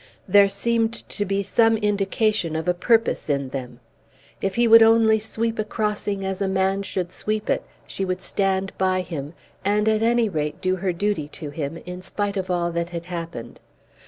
There seemed to be some indication of a purpose in them. If he would only sweep a crossing as a man should sweep it, she would stand by him, and at any rate do her duty to him, in spite of all that had happened.